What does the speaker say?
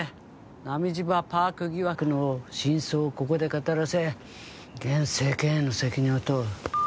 波島パーク疑惑の真相をここで語らせ現政権への責任を問う。